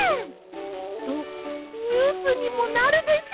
きっとニュースにもなるでしょう！